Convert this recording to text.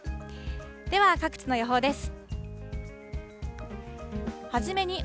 では、各地の予報です。